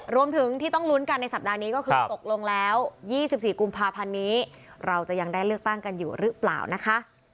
รวมถึงที่ต้องลุ้นกันในสัปดาห์นี้ก็คือตกลงแล้ว๒๔กุมภาพันธ์นี้เราจะยังได้เลือกตั้งกันอยู่หรือเปล่านะคะ